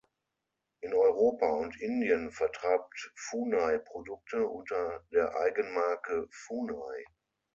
In Europa und Indien vertreibt Funai Produkte unter der Eigenmarke "Funai".